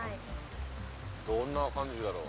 ・どんな感じだろう？